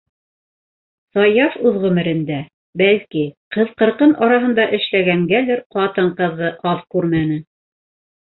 Саяф үҙ ғүмерендә, бәлки, ҡыҙ-ҡырҡын араһында эшләгәнгәлер, ҡатын-ҡыҙҙы аҙ күрмәне.